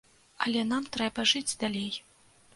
Але нам трэба жыць далей.